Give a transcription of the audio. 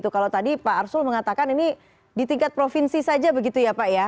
kalau tadi pak arsul mengatakan ini di tingkat provinsi saja begitu ya pak ya